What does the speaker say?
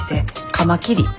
カマキリ。